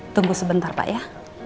tunggu sebentar pak ya